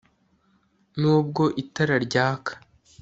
nubwo itara ryaka